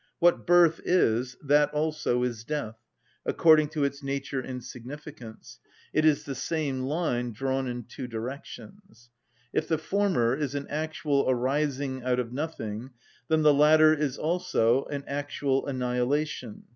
What birth is, that also is death, according to its nature and significance: it is the same line drawn in two directions. If the former is an actual arising out of nothing, then the latter is also an actual annihilation.